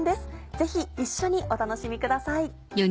ぜひ一緒にお楽しみください。